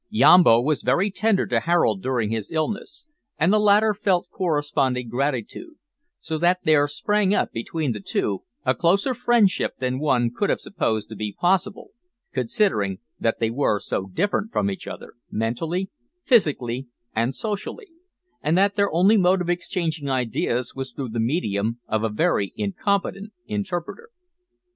Yambo was very tender to Harold during his illness, and the latter felt corresponding gratitude, so that there sprang up between the two a closer friendship than one could have supposed to be possible, considering that they were so different from each other, mentally, physically, and socially, and that their only mode of exchanging ideas was through the medium of a very incompetent interpreter.